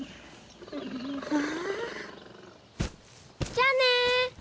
じゃあね。